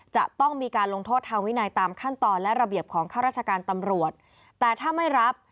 จะต้องมีการลงโทษทางวินัยตามขั้นตอนและระเบียบของข้าราชการตำรวจแต่ถ้าไม่รับ